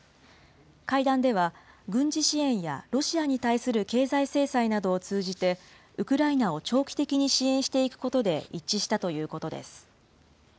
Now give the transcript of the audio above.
会談では軍事支援やロシアに対する経済制裁などを通じて、ウクライナを長期的に支援していくことで一致したということです。